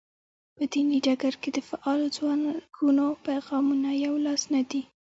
په دیني ډګر کې د فعالو ځواکونو پیغامونه یو لاس نه دي.